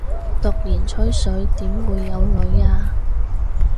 毒撚吹水點會有女吖